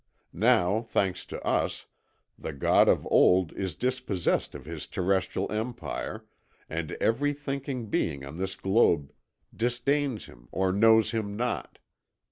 Now, thanks to us, the god of old is dispossessed of his terrestrial empire, and every thinking being on this globe disdains him or knows him not.